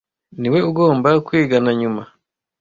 Niwe ugomba kwigana nyuma.